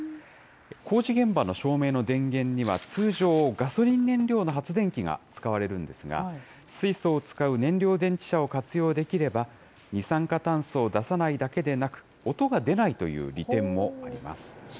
工事現場の照明の電源には通常、ガソリン燃料の発電機が使われるんですが、水素を使う燃料電池車を活用できれば、二酸化炭素を出さないだけでなく、音が出ないという利点もあります。